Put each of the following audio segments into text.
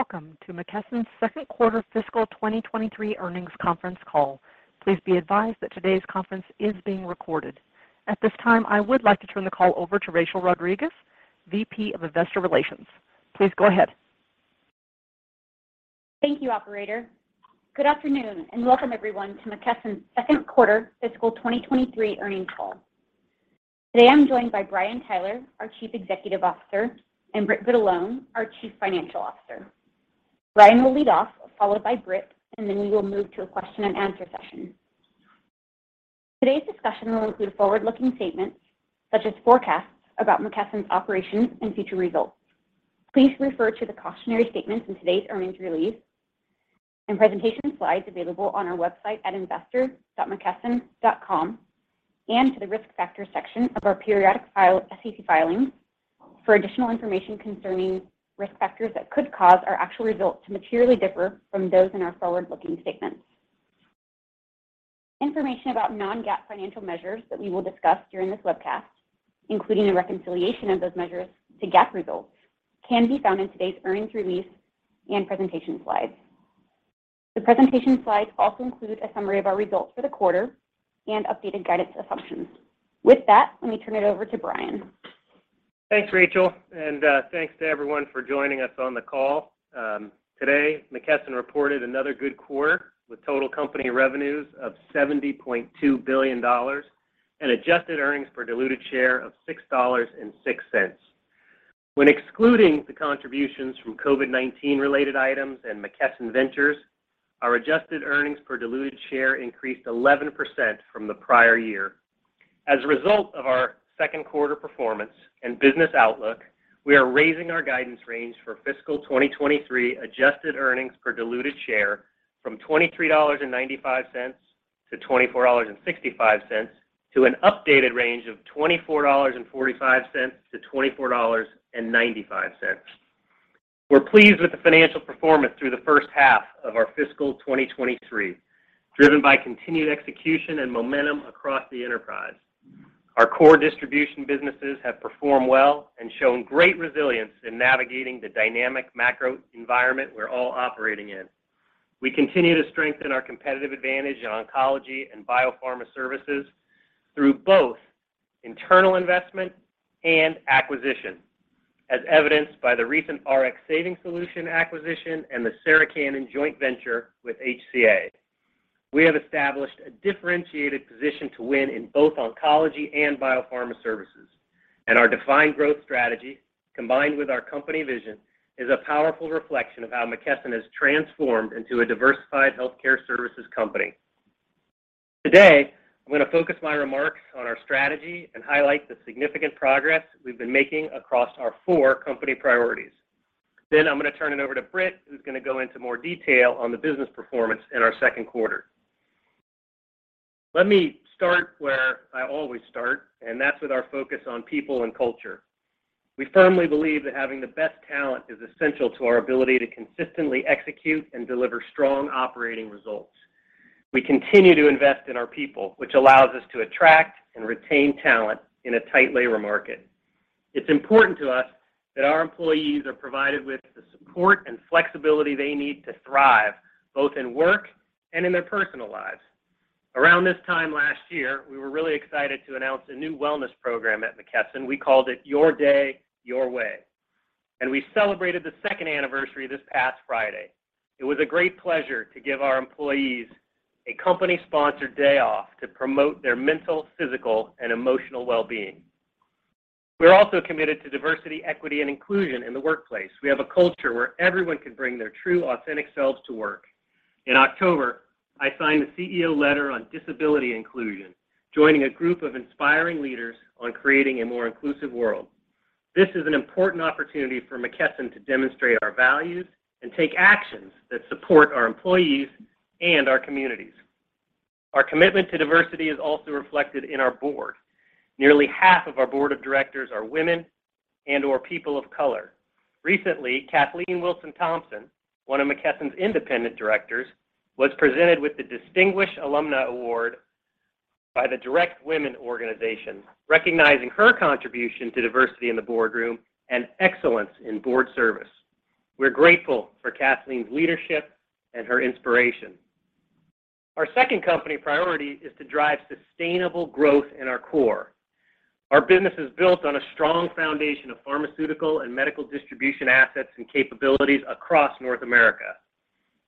Welcome to McKesson's second quarter fiscal 2023 earnings conference call. Please be advised that today's conference is being recorded. At this time, I would like to turn the call over to Rachel Rodriguez, VP of Investor Relations. Please go ahead. Thank you, operator. Good afternoon, and welcome everyone to McKesson's second quarter fiscal 2023 earnings call. Today, I'm joined by Brian Tyler, our Chief Executive Officer, and Britt Vitalone, our Chief Financial Officer. Brian will lead off, followed by Britt, and then we will move to a question and answer session. Today's discussion will include forward-looking statements, such as forecasts about McKesson's operations and future results. Please refer to the cautionary statements in today's earnings release and presentation slides available on our website at investor.mckesson.com and to the risk factor section of our periodic SEC filings for additional information concerning risk factors that could cause our actual results to materially differ from those in our forward-looking statements. Information about non-GAAP financial measures that we will discuss during this webcast, including a reconciliation of those measures to GAAP results, can be found in today's earnings release and presentation slides. The presentation slides also include a summary of our results for the quarter and updated guidance assumptions. With that, let me turn it over to Brian. Thanks, Rachel, and thanks to everyone for joining us on the call. Today, McKesson reported another good quarter with total company revenues of $70.2 billion and adjusted earnings per diluted share of $6.06. When excluding the contributions from COVID-19 related items and McKesson Ventures, our adjusted earnings per diluted share increased 11% from the prior year. As a result of our second quarter performance and business outlook, we are raising our guidance range for fiscal 2023 adjusted earnings per diluted share from $23.95-$24.65 to an updated range of $24.45-$24.95. We're pleased with the financial performance through the first half of our fiscal 2023, driven by continued execution and momentum across the enterprise. Our core distribution businesses have performed well and shown great resilience in navigating the dynamic macro environment we're all operating in. We continue to strengthen our competitive advantage in oncology and biopharma services through both internal investment and acquisition, as evidenced by the recent Rx Savings Solutions acquisition and the Sarah Cannon joint venture with HCA. We have established a differentiated position to win in both oncology and biopharma services, and our defined growth strategy, combined with our company vision, is a powerful reflection of how McKesson has transformed into a diversified healthcare services company. Today, I'm going to focus my remarks on our strategy and highlight the significant progress we've been making across our four company priorities. Then I'm going to turn it over to Britt, who's going to go into more detail on the business performance in our second quarter. Let me start where I always start, and that's with our focus on people and culture. We firmly believe that having the best talent is essential to our ability to consistently execute and deliver strong operating results. We continue to invest in our people, which allows us to attract and retain talent in a tight labor market. It's important to us that our employees are provided with the support and flexibility they need to thrive, both in work and in their personal lives. Around this time last year, we were really excited to announce a new wellness program at McKesson. We called it Your Day, Your Way, and we celebrated the second anniversary this past Friday. It was a great pleasure to give our employees a company-sponsored day off to promote their mental, physical, and emotional well-being. We're also committed to diversity, equity, and inclusion in the workplace. We have a culture where everyone can bring their true, authentic selves to work. In October, I signed the CEO Letter on Disability Inclusion, joining a group of inspiring leaders on creating a more inclusive world. This is an important opportunity for McKesson to demonstrate our values and take actions that support our employees and our communities. Our commitment to diversity is also reflected in our board. Nearly half of our board of directors are women and/or people of color. Recently, Kathleen Wilson-Thompson, one of McKesson's independent directors, was presented with the Distinguished Alumna Award by the DirectWomen organization, recognizing her contribution to diversity in the boardroom and excellence in board service. We're grateful for Kathleen's leadership and her inspiration. Our second company priority is to drive sustainable growth in our core. Our business is built on a strong foundation of pharmaceutical and medical distribution assets and capabilities across North America.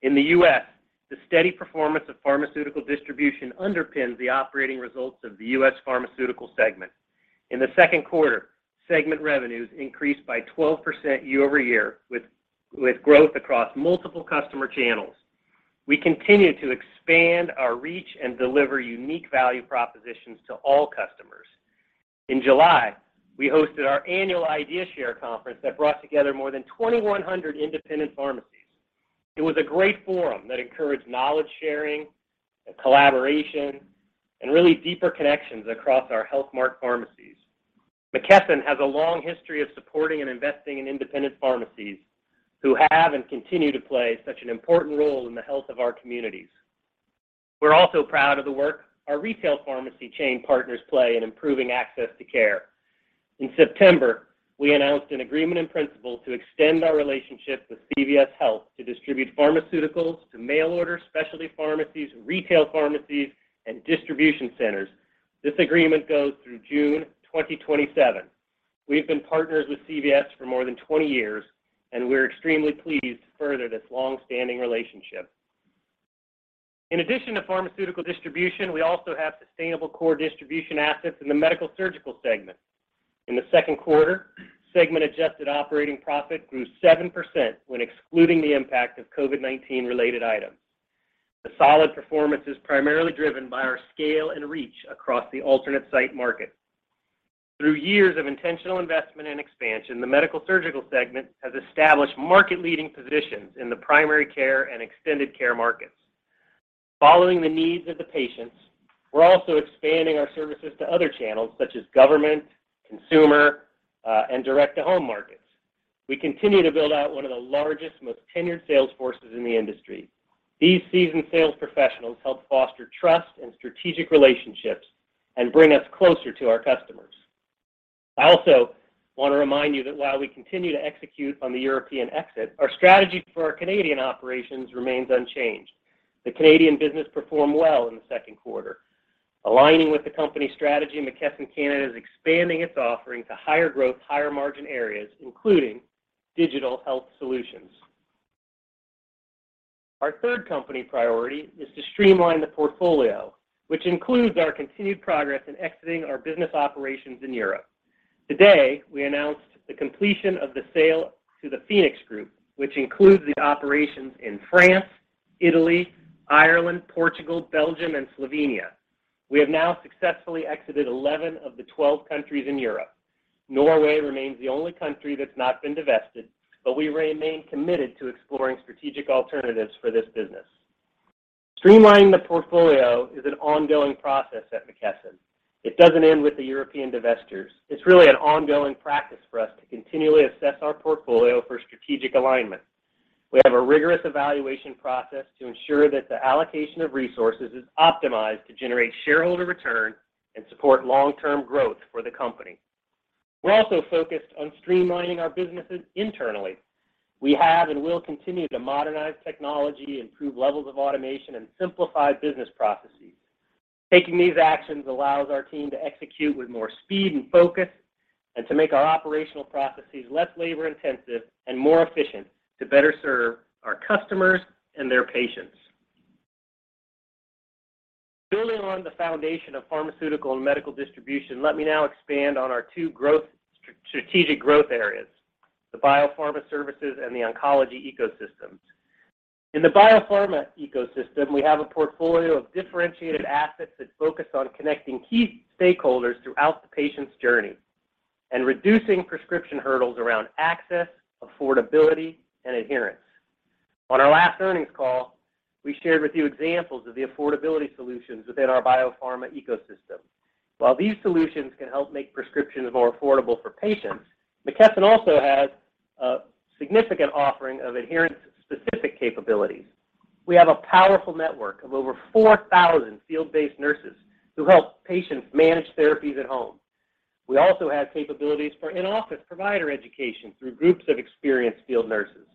In the U.S., the steady performance of pharmaceutical distribution underpins the operating results of the U.S. pharmaceutical segment. In the second quarter, segment revenues increased by 12% year-over-year with growth across multiple customer channels. We continue to expand our reach and deliver unique value propositions to all customers. In July, we hosted our annual ideaShare Conference that brought together more than 2,100 independent pharmacies. It was a great forum that encouraged knowledge sharing and collaboration and really deeper connections across our Health Mart pharmacies. McKesson has a long history of supporting and investing in independent pharmacies who have and continue to play such an important role in the health of our communities. We're also proud of the work our retail pharmacy chain partners play in improving access to care. In September, we announced an agreement in principle to extend our relationship with CVS Health to distribute pharmaceuticals to mail-order specialty pharmacies, retail pharmacies, and distribution centers. This agreement goes through June 2027. We've been partners with CVS for more than 20 years, and we're extremely pleased to further this long-standing relationship. In addition to pharmaceutical distribution, we also have sustainable core distribution assets in the medical surgical segment. In the second quarter, segment-adjusted operating profit grew 7% when excluding the impact of COVID-19 related items. The solid performance is primarily driven by our scale and reach across the alternate site market. Through years of intentional investment and expansion, the Medical-Surgical Solutions segment has established market-leading positions in the primary care and extended care markets. Following the needs of the patients, we're also expanding our services to other channels such as government, consumer, and direct-to-home markets. We continue to build out one of the largest, most tenured sales forces in the industry. These seasoned sales professionals help foster trust and strategic relationships and bring us closer to our customers. I also wanna remind you that while we continue to execute on the European exit, our strategy for our Canadian operations remains unchanged. The Canadian business performed well in the second quarter. Aligning with the company strategy, McKesson Canada is expanding its offering to higher growth, higher margin areas, including digital health solutions. Our third company priority is to streamline the portfolio, which includes our continued progress in exiting our business operations in Europe. Today, we announced the completion of the sale to the PHOENIX group, which includes the operations in France, Italy, Ireland, Portugal, Belgium, and Slovenia. We have now successfully exited 11 of the 12 countries in Europe. Norway remains the only country that's not been divested, but we remain committed to exploring strategic alternatives for this business. Streamlining the portfolio is an ongoing process at McKesson. It doesn't end with the European divestitures. It's really an ongoing practice for us to continually assess our portfolio for strategic alignment. We have a rigorous evaluation process to ensure that the allocation of resources is optimized to generate shareholder return and support long-term growth for the company. We're also focused on streamlining our businesses internally. We have and will continue to modernize technology, improve levels of automation, and simplify business processes. Taking these actions allows our team to execute with more speed and focus and to make our operational processes less labor-intensive and more efficient to better serve our customers and their patients. Building on the foundation of pharmaceutical and medical distribution, let me now expand on our two strategic growth areas, the biopharma ecosystem and the oncology ecosystem. In the biopharma ecosystem, we have a portfolio of differentiated assets that focus on connecting key stakeholders throughout the patient's journey and reducing prescription hurdles around access, affordability, and adherence. On our last earnings call, we shared with you examples of the affordability solutions within our biopharma ecosystem. While these solutions can help make prescriptions more affordable for patients, McKesson also has a significant offering of adherence-specific capabilities. We have a powerful network of over 4,000 field-based nurses who help patients manage therapies at home. We also have capabilities for in-office provider education through groups of experienced field nurses.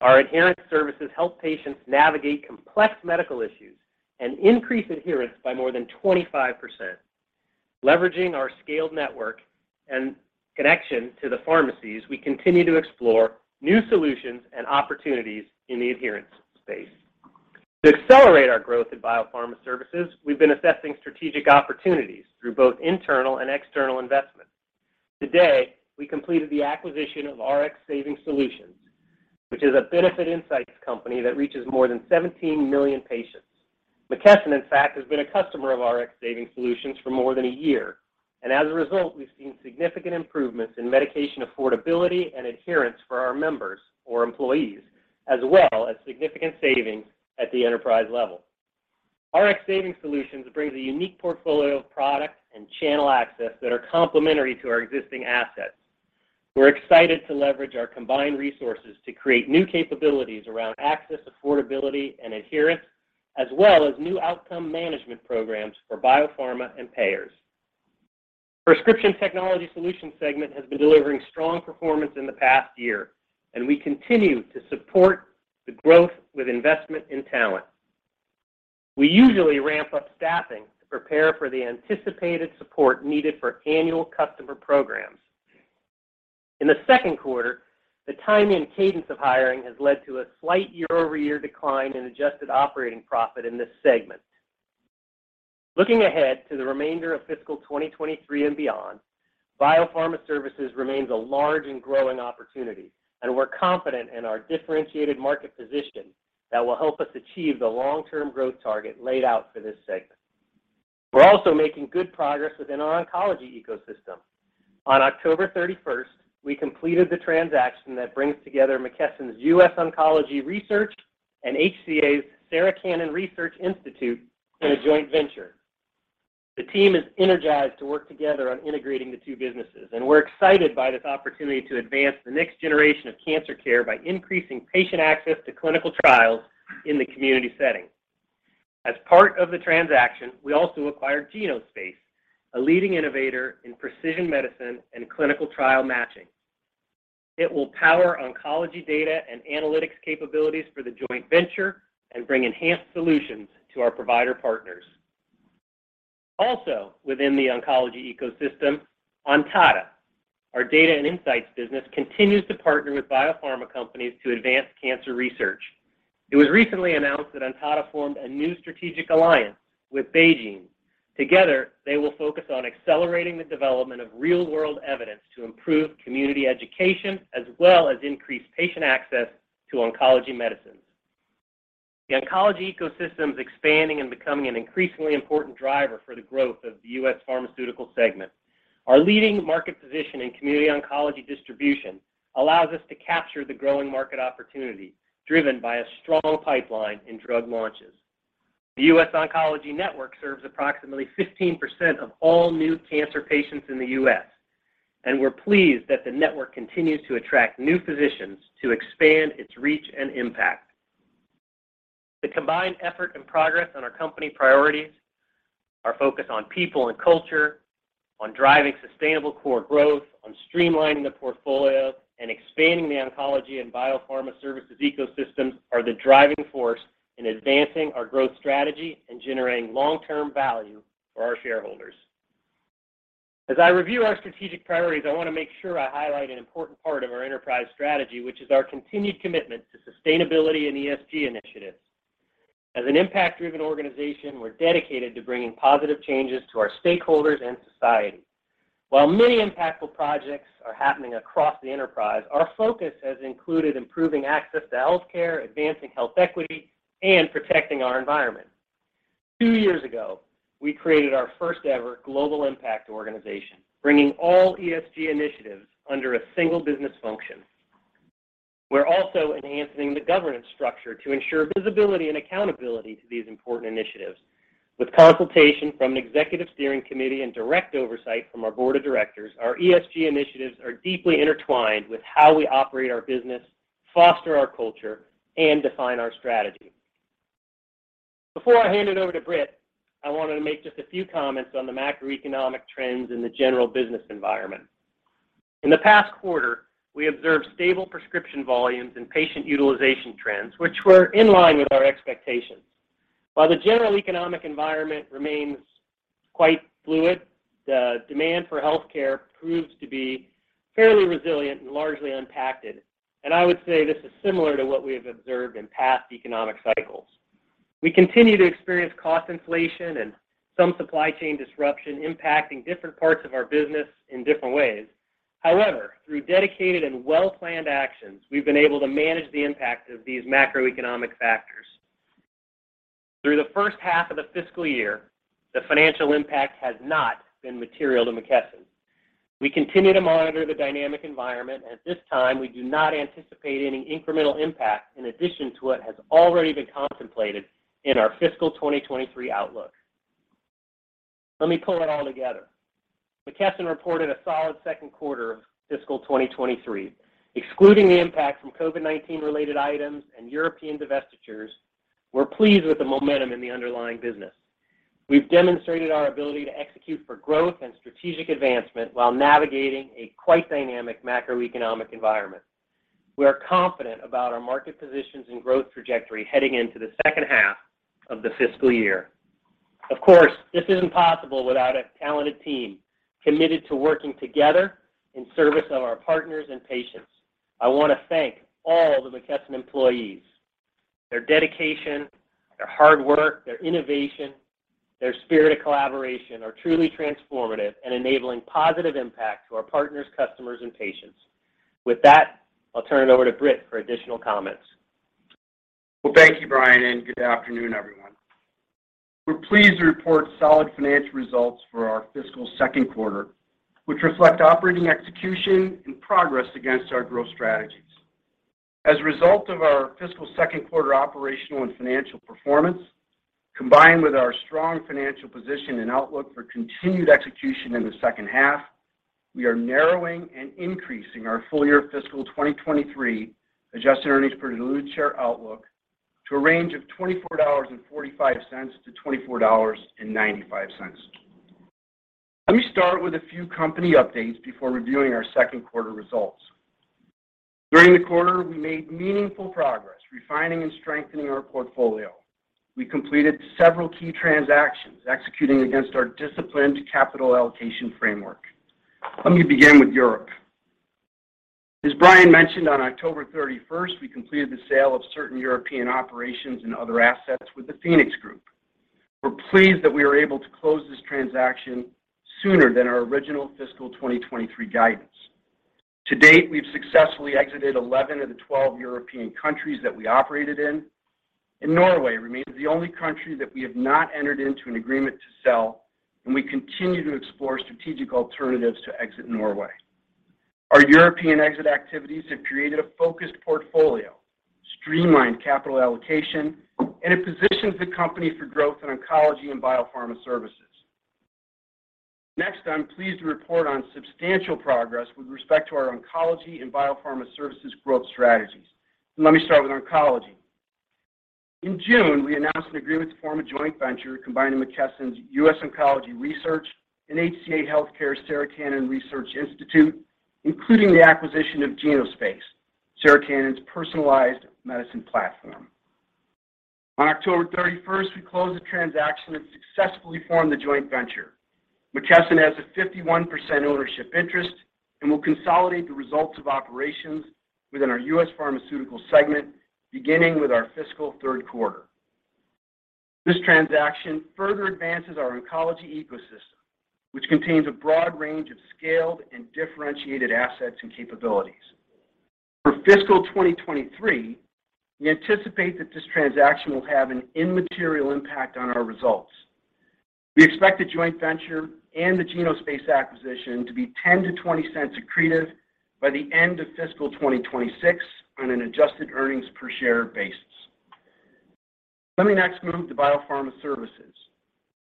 Our adherence services help patients navigate complex medical issues and increase adherence by more than 25%. Leveraging our scaled network and connection to the pharmacies, we continue to explore new solutions and opportunities in the adherence space. To accelerate our growth in biopharma services, we've been assessing strategic opportunities through both internal and external investments. Today, we completed the acquisition of Rx Savings Solutions, which is a benefit insights company that reaches more than 17 million patients. McKesson, in fact, has been a customer of Rx Savings Solutions for more than a year, and as a result, we've seen significant improvements in medication affordability and adherence for our members or employees, as well as significant savings at the enterprise level. Rx Savings Solutions brings a unique portfolio of products and channel access that are complementary to our existing assets. We're excited to leverage our combined resources to create new capabilities around access, affordability, and adherence, as well as new outcome management programs for biopharma and payers. Prescription Technology Solutions segment has been delivering strong performance in the past year, and we continue to support the growth with investment in talent. We usually ramp up staffing to prepare for the anticipated support needed for annual customer programs. In the second quarter, the timing and cadence of hiring has led to a slight year-over-year decline in adjusted operating profit in this segment. Looking ahead to the remainder of fiscal 2023 and beyond, biopharma services remains a large and growing opportunity, and we're confident in our differentiated market position that will help us achieve the long-term growth target laid out for this segment. We're also making good progress within our oncology ecosystem. On October 31st, we completed the transaction that brings together McKesson's US Oncology Research and HCA's Sarah Cannon Research Institute in a joint venture. The team is energized to work together on integrating the two businesses, and we're excited by this opportunity to advance the next generation of cancer care by increasing patient access to clinical trials in the community setting. As part of the transaction, we also acquired Genospace, a leading innovator in precision medicine and clinical trial matching. It will power oncology data and analytics capabilities for the joint venture and bring enhanced solutions to our provider partners. Also, within the oncology ecosystem, Ontada, our data and insights business, continues to partner with biopharma companies to advance cancer research. It was recently announced that Ontada formed a new strategic alliance with BeiGene. Together, they will focus on accelerating the development of real-world evidence to improve community education as well as increase patient access to oncology medicines. The oncology ecosystem is expanding and becoming an increasingly important driver for the growth of the U.S. pharmaceutical segment. Our leading market position in community oncology distribution allows us to capture the growing market opportunity driven by a strong pipeline in drug launches. The US Oncology Network serves approximately 15% of all new cancer patients in the U.S., and we're pleased that the network continues to attract new physicians to expand its reach and impact. The combined effort and progress on our company priorities, our focus on people and culture, on driving sustainable core growth, on streamlining the portfolio and expanding the oncology and biopharma services ecosystems are the driving force in advancing our growth strategy and generating long-term value for our shareholders. As I review our strategic priorities, I want to make sure I highlight an important part of our enterprise strategy, which is our continued commitment to sustainability and ESG initiatives. As an impact-driven organization, we're dedicated to bringing positive changes to our stakeholders and society. While many impactful projects are happening across the enterprise, our focus has included improving access to healthcare, advancing health equity, and protecting our environment. Two years ago, we created our first-ever global impact organization, bringing all ESG initiatives under a single business function. We're also enhancing the governance structure to ensure visibility and accountability to these important initiatives. With consultation from an executive steering committee and direct oversight from our board of directors, our ESG initiatives are deeply intertwined with how we operate our business, foster our culture, and define our strategy. Before I hand it over to Britt, I wanted to make just a few comments on the macroeconomic trends in the general business environment. In the past quarter, we observed stable prescription volumes and patient utilization trends, which were in line with our expectations. While the general economic environment remains quite fluid, the demand for healthcare proves to be fairly resilient and largely unfazed. I would say this is similar to what we have observed in past economic cycles. We continue to experience cost inflation and some supply chain disruption impacting different parts of our business in different ways. However, through dedicated and well-planned actions, we've been able to manage the impact of these macroeconomic factors. Through the first half of the fiscal year, the financial impact has not been material to McKesson. We continue to monitor the dynamic environment. At this time, we do not anticipate any incremental impact in addition to what has already been contemplated in our fiscal 2023 outlook. Let me pull it all together. McKesson reported a solid second quarter of fiscal 2023. Excluding the impact from COVID-19 related items and European divestitures, we're pleased with the momentum in the underlying business. We've demonstrated our ability to execute for growth and strategic advancement while navigating a quite dynamic macroeconomic environment. We are confident about our market positions and growth trajectory heading into the second half of the fiscal year. Of course, this isn't possible without a talented team committed to working together in service of our partners and patients. I want to thank all the McKesson employees. Their dedication, their hard work, their innovation, their spirit of collaboration are truly transformative and enabling positive impact to our partners, customers, and patients. With that, I'll turn it over to Britt for additional comments. Well, thank you, Brian, and good afternoon, everyone. We're pleased to report solid financial results for our fiscal second quarter, which reflect operating execution and progress against our growth strategies. As a result of our fiscal second quarter operational and financial performance, combined with our strong financial position and outlook for continued execution in the second half, we are narrowing and increasing our full-year fiscal 2023 adjusted earnings per diluted share outlook to a range of $24.45-$24.95. Let me start with a few company updates before reviewing our second quarter results. During the quarter, we made meaningful progress refining and strengthening our portfolio. We completed several key transactions, executing against our disciplined capital allocation framework. Let me begin with Europe. As Brian mentioned, on October 31st, we completed the sale of certain European operations and other assets with the PHOENIX group. We're pleased that we were able to close this transaction sooner than our original fiscal 2023 guidance. To date, we've successfully exited 11 of the 12 European countries that we operated in, and Norway remains the only country that we have not entered into an agreement to sell, and we continue to explore strategic alternatives to exit Norway. Our European exit activities have created a focused portfolio, streamlined capital allocation, and it positions the company for growth in oncology and biopharma services. Next, I'm pleased to report on substantial progress with respect to our oncology and biopharma services growth strategies. Let me start with oncology. In June, we announced an agreement to form a joint venture combining McKesson's US Oncology Research and HCA Healthcare's Sarah Cannon Research Institute, including the acquisition of Genospace, Sarah Cannon's personalized medicine platform. On October 31st, we closed the transaction and successfully formed the joint venture. McKesson has a 51% ownership interest and will consolidate the results of operations within our U.S. pharmaceutical segment, beginning with our fiscal third quarter. This transaction further advances our oncology ecosystem, which contains a broad range of scaled and differentiated assets and capabilities. For fiscal 2023, we anticipate that this transaction will have an immaterial impact on our results. We expect the joint venture and the Genospace acquisition to be $0.10-$0.20 accretive by the end of fiscal 2026 on an adjusted earnings per share basis. Let me next move to biopharma services.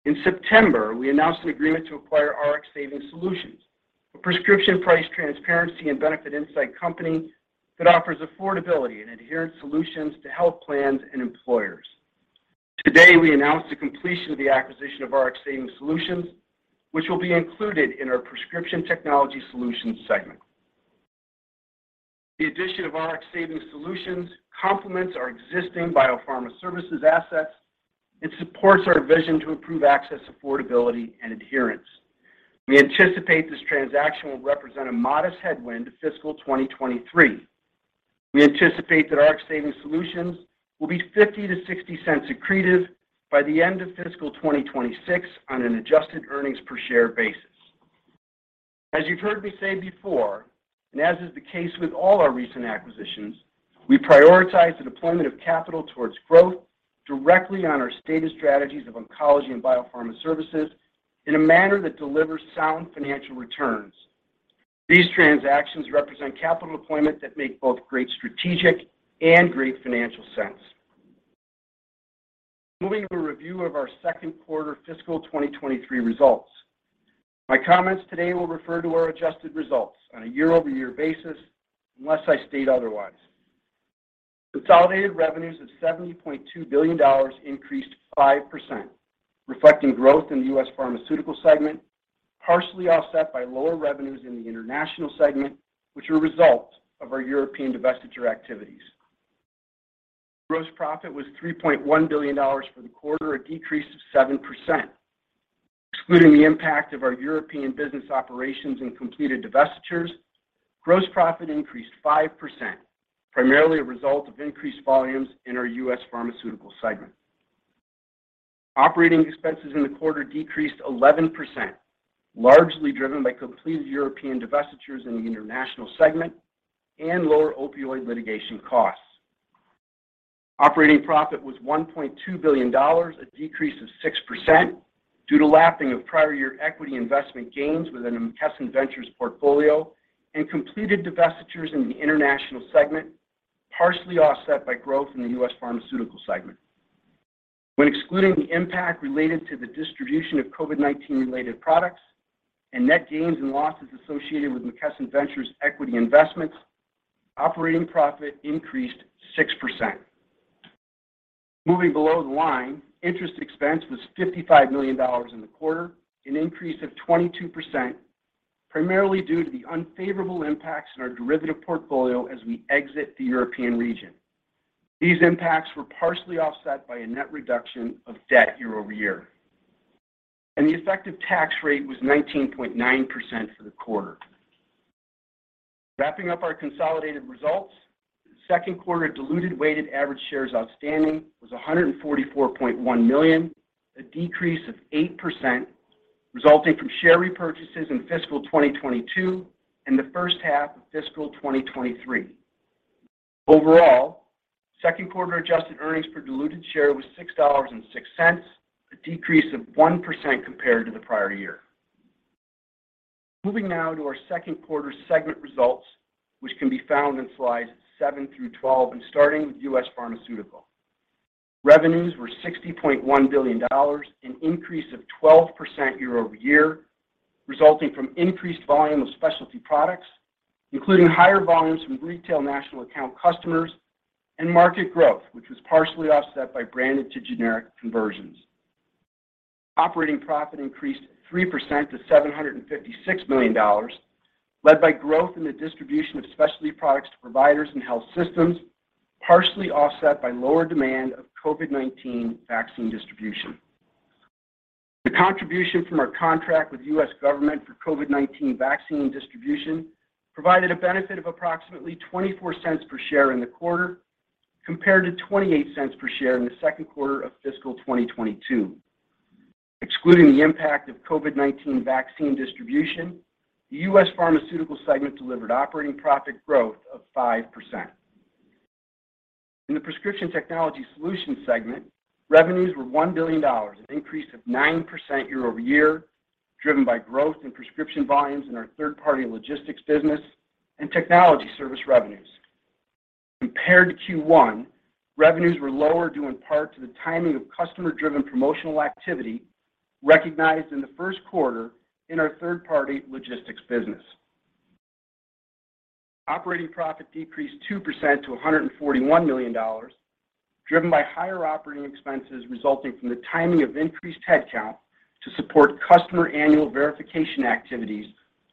In September, we announced an agreement to acquire Rx Savings Solutions, a prescription price transparency and benefit insight company that offers affordability and adherence solutions to health plans and employers. Today, we announced the completion of the acquisition of Rx Savings Solutions, which will be included in our Prescription Technology Solutions segment. The addition of Rx Savings Solutions complements our existing biopharma services assets and supports our vision to improve access, affordability, and adherence. We anticipate this transaction will represent a modest headwind to fiscal 2023. We anticipate that Rx Savings Solutions will be $0.50-$0.60 accretive by the end of fiscal 2026 on an adjusted earnings per share basis. As you've heard me say before, as is the case with all our recent acquisitions, we prioritize the deployment of capital towards growth directly on our stated strategies of oncology and biopharma services in a manner that delivers sound financial returns. These transactions represent capital deployment that make both great strategic and great financial sense. Moving to a review of our second quarter fiscal 2023 results. My comments today will refer to our adjusted results on a year-over-year basis unless I state otherwise. Consolidated revenues of $70.2 billion increased 5%, reflecting growth in the U.S. pharmaceutical segment, partially offset by lower revenues in the International segment, which are a result of our European divestiture activities. Gross profit was $3.1 billion for the quarter, a decrease of 7%. Excluding the impact of our European business operations and completed divestitures, gross profit increased 5%, primarily a result of increased volumes in our U.S. pharmaceutical segment. Operating expenses in the quarter decreased 11%, largely driven by completed European divestitures in the International segment and lower opioid litigation costs. Operating profit was $1.2 billion, a decrease of 6% due to lapping of prior year equity investment gains within the McKesson Ventures portfolio and completed divestitures in the International segment, partially offset by growth in the U.S. pharmaceutical segment. When excluding the impact related to the distribution of COVID-19-related products and net gains and losses associated with McKesson Ventures equity investments, operating profit increased 6%. Moving below the line, interest expense was $55 million in the quarter, an increase of 22%, primarily due to the unfavorable impacts in our derivative portfolio as we exit the European region. These impacts were partially offset by a net reduction of debt year-over-year. The effective tax rate was 19.9% for the quarter. Wrapping up our consolidated results, second quarter diluted weighted average shares outstanding was 144.1 million, a decrease of 8% resulting from share repurchases in fiscal 2022 and the first half of fiscal 2023. Overall, second quarter adjusted earnings per diluted share was $6.06, a decrease of 1% compared to the prior year. Moving now to our second quarter segment results, which can be found in slides seven through 12 and starting with U.S. pharmaceutical. Revenues were $60.1 billion, an increase of 12% year-over-year, resulting from increased volume of specialty products, including higher volumes from retail national account customers and market growth, which was partially offset by branded to generic conversions. Operating profit increased 3% to $756 million, led by growth in the distribution of specialty products to providers and health systems, partially offset by lower demand of COVID-19 vaccine distribution. The contribution from our contract with U.S. government for COVID-19 vaccine distribution provided a benefit of approximately $0.24 per share in the quarter, compared to $0.28 per share in the second quarter of fiscal 2022. Excluding the impact of COVID-19 vaccine distribution, the U.S. pharmaceutical segment delivered operating profit growth of 5%. In the Prescription Technology Solutions segment, revenues were $1 billion, an increase of 9% year-over-year, driven by growth in prescription volumes in our third-party logistics business and technology service revenues. Compared to Q1, revenues were lower due in part to the timing of customer-driven promotional activity recognized in the first quarter in our third-party logistics business. Operating profit decreased 2% to $141 million, driven by higher operating expenses resulting from the timing of increased headcount to support customer annual verification activities,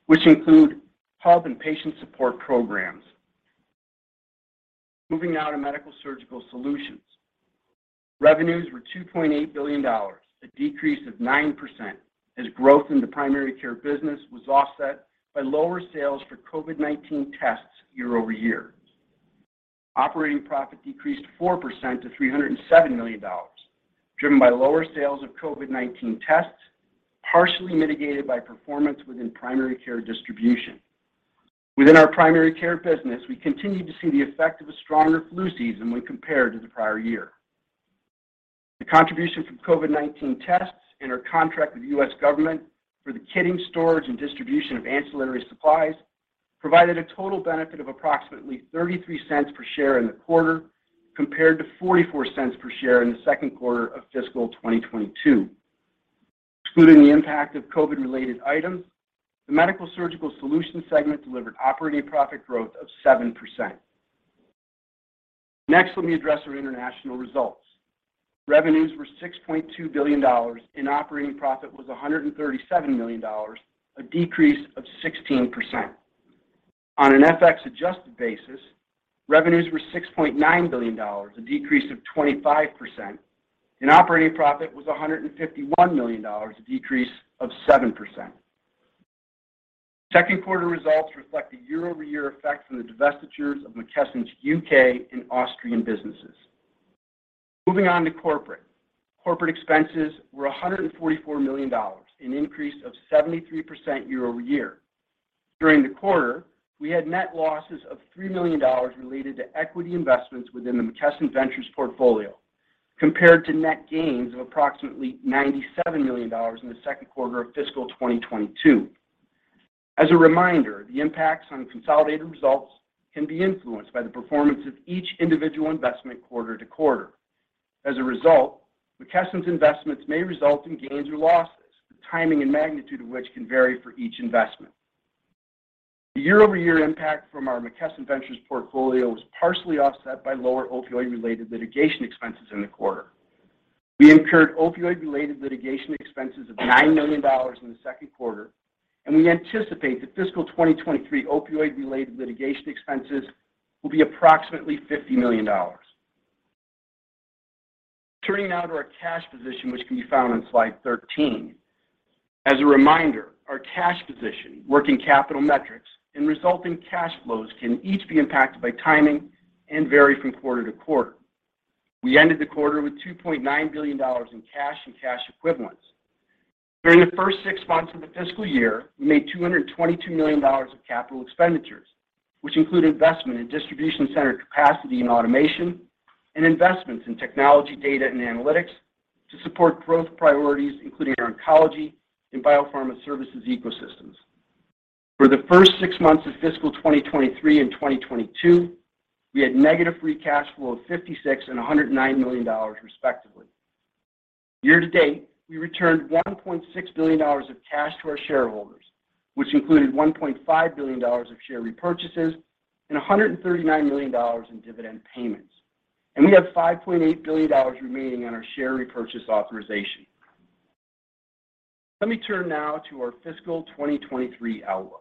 which include hub and patient support programs. Moving now to Medical-Surgical Solutions. Revenues were $2.8 billion, a decrease of 9% as growth in the primary care business was offset by lower sales for COVID-19 tests year-over-year. Operating profit decreased 4% to $307 million, driven by lower sales of COVID-19 tests, partially mitigated by performance within primary care distribution. Within our primary care business, we continued to see the effect of a stronger flu season when compared to the prior year. The contribution from COVID-19 tests and our contract with U.S. government for the kitting, storage, and distribution of ancillary supplies provided a total benefit of approximately $0.33 per share in the quarter, compared to $0.44 per share in the second quarter of fiscal 2022. Excluding the impact of COVID-related items, the Medical-Surgical Solutions segment delivered operating profit growth of 7%. Next, let me address our international results. Revenues were $6.2 billion, and operating profit was $137 million, a decrease of 16%. On an FX adjusted basis, revenues were $6.9 billion, a decrease of 25%, and operating profit was $151 million, a decrease of 7%. Second quarter results reflect the year-over-year effects from the divestitures of McKesson's U.K. and Austrian businesses. Moving on to corporate. Corporate expenses were $144 million, an increase of 73% year-over-year. During the quarter, we had net losses of $3 million related to equity investments within the McKesson Ventures portfolio, compared to net gains of approximately $97 million in the second quarter of fiscal 2022. As a reminder, the impacts on consolidated results can be influenced by the performance of each individual investment quarter to quarter. As a result, McKesson's investments may result in gains or losses, the timing and magnitude of which can vary for each investment. The year-over-year impact from our McKesson Ventures portfolio was partially offset by lower opioid-related litigation expenses in the quarter. We incurred opioid-related litigation expenses of $9 million in the second quarter, and we anticipate that fiscal 2023 opioid-related litigation expenses will be approximately $50 million. Turning now to our cash position, which can be found on slide 13. As a reminder, our cash position, working capital metrics, and resulting cash flows can each be impacted by timing and vary from quarter to quarter. We ended the quarter with $2.9 billion in cash and cash equivalents. During the first six months of the fiscal year, we made $222 million of capital expenditures, which include investment in distribution center capacity and automation, and investments in technology data and analytics to support growth priorities, including our oncology and biopharma services ecosystems. For the first six months of fiscal 2023 and 2022, we had negative free cash flow of $56 million and $109 million, respectively. Year to date, we returned $1.6 billion of cash to our shareholders, which included $1.5 billion of share repurchases and $139 million in dividend payments. We have $5.8 billion remaining on our share repurchase authorization. Let me turn now to our fiscal 2023 outlook.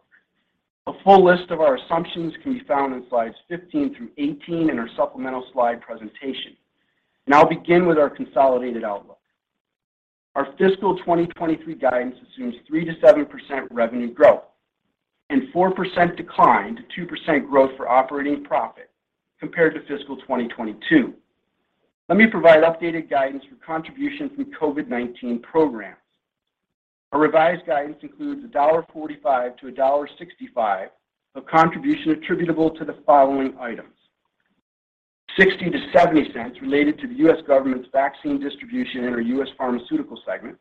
A full list of our assumptions can be found in slides 15 through 18 in our supplemental slide presentation. I'll begin with our consolidated outlook. Our fiscal 2023 guidance assumes 3%-7% revenue growth and 4% decline to 2% growth for operating profit compared to fiscal 2022. Let me provide updated guidance for contributions from COVID-19 programs. Our revised guidance includes $1.45-$1.65 of contribution attributable to the following items: $0.60-$0.70 related to the U.S. government's vaccine distribution in our U.S. pharmaceutical segment,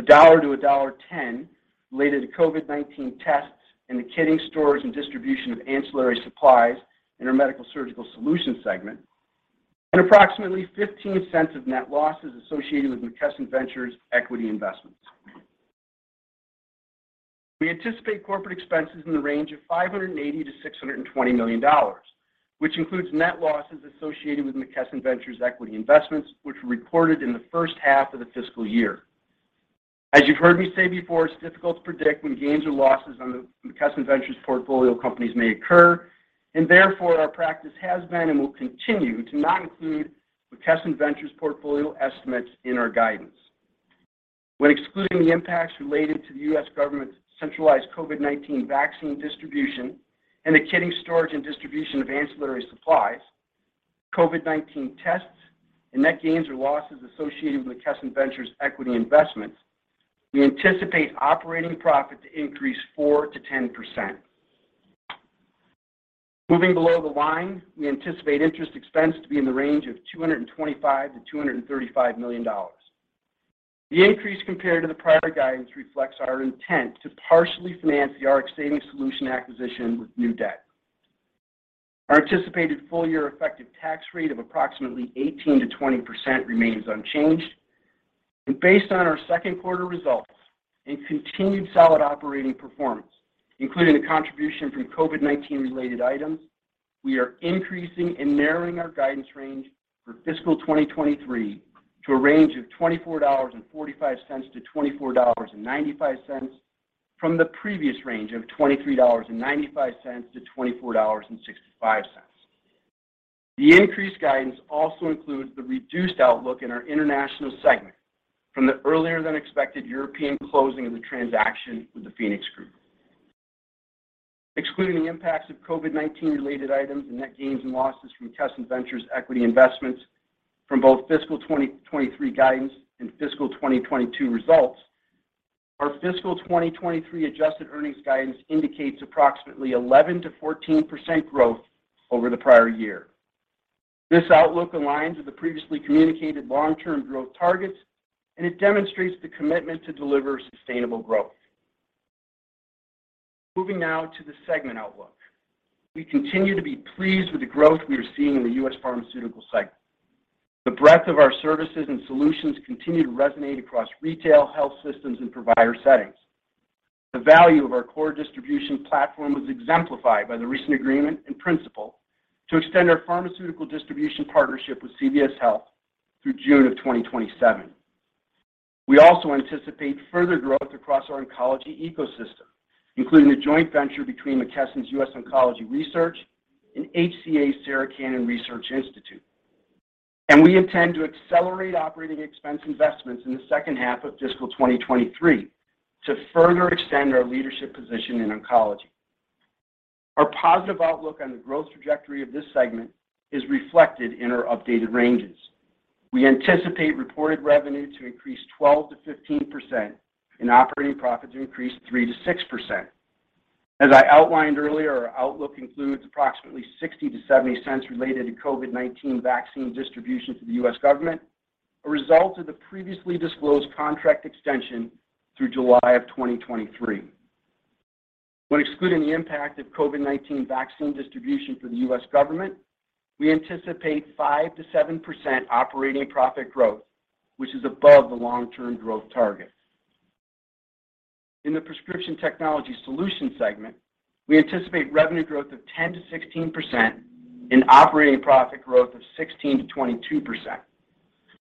$1-$1.10 related to COVID-19 tests and the kitting, storage, and distribution of ancillary supplies in our Medical-Surgical Solutions segment, and approximately $0.15 of net losses associated with McKesson Ventures equity investments. We anticipate corporate expenses in the range of $580 million-$620 million, which includes net losses associated with McKesson Ventures equity investments, which were recorded in the first half of the fiscal year. As you've heard me say before, it's difficult to predict when gains or losses on the McKesson Ventures portfolio companies may occur, and therefore, our practice has been and will continue to not include McKesson Ventures portfolio estimates in our guidance. When excluding the impacts related to the U.S. government's centralized COVID-19 vaccine distribution and the kitting, storage, and distribution of ancillary supplies, COVID-19 tests and net gains or losses associated with McKesson Ventures equity investments, we anticipate operating profit to increase 4%-10%. Moving below the line, we anticipate interest expense to be in the range of $225 million-$235 million. The increase compared to the prior guidance reflects our intent to partially finance the Rx Savings Solutions acquisition with new debt. Our anticipated full-year effective tax rate of approximately 18%-20% remains unchanged. Based on our second quarter results and continued solid operating performance, including the contribution from COVID-19 related items, we are increasing and narrowing our guidance range for fiscal 2023 to a range of $24.45-$24.95 from the previous range of $23.95-$24.65. The increased guidance also includes the reduced outlook in our international segment from the earlier than expected European closing of the transaction with the PHOENIX group. Excluding the impacts of COVID-19 related items and net gains and losses from McKesson Ventures equity investments from both fiscal 2023 guidance and fiscal 2022 results, our fiscal 2023 adjusted earnings guidance indicates approximately 11%-14% growth over the prior year. This outlook aligns with the previously communicated long-term growth targets, and it demonstrates the commitment to deliver sustainable growth. Moving now to the segment outlook. We continue to be pleased with the growth we are seeing in the U.S. pharmaceutical segment. The breadth of our services and solutions continue to resonate across retail, health systems, and provider settings. The value of our core distribution platform was exemplified by the recent agreement in principle to extend our pharmaceutical distribution partnership with CVS Health through June of 2027. We also anticipate further growth across our oncology ecosystem, including a joint venture between McKesson's US Oncology Research and HCA Healthcare's Sarah Cannon Research Institute. We intend to accelerate operating expense investments in the second half of fiscal 2023 to further extend our leadership position in oncology. Our positive outlook on the growth trajectory of this segment is reflected in our updated ranges. We anticipate reported revenue to increase 12%-15% and operating profit to increase 3%-6%. As I outlined earlier, our outlook includes approximately $0.60-$0.70 related to COVID-19 vaccine distribution to the U.S. government, a result of the previously disclosed contract extension through July of 2023. When excluding the impact of COVID-19 vaccine distribution for the U.S. government, we anticipate 5%-7% operating profit growth, which is above the long-term growth target. In the Prescription Technology Solutions segment, we anticipate revenue growth of 10%-16% and operating profit growth of 16%-22%.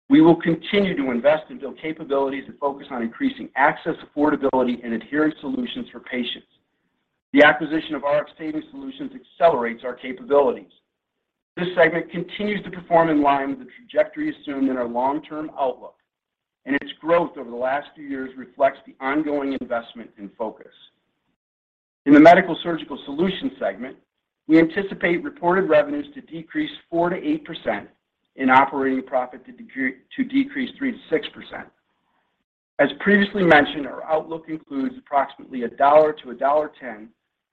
We will continue to invest and build capabilities that focus on increasing access, affordability, and adherence solutions for patients. The acquisition of Rx Savings Solutions accelerates our capabilities. This segment continues to perform in line with the trajectory assumed in our long-term outlook, and its growth over the last few years reflects the ongoing investment and focus. In the Medical-Surgical Solutions segment, we anticipate reported revenues to decrease 4%-8% and operating profit to decrease 3%-6%. As previously mentioned, our outlook includes approximately $1-$1.10